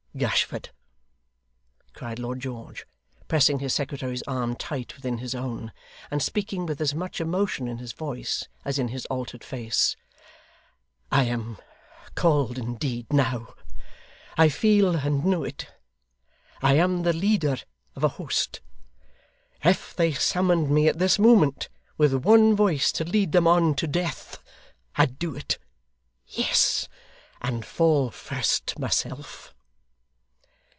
'Gashford!' cried Lord George, pressing his secretary's arm tight within his own, and speaking with as much emotion in his voice, as in his altered face, 'I am called indeed, now. I feel and know it. I am the leader of a host. If they summoned me at this moment with one voice to lead them on to death, I'd do it Yes, and fall first myself!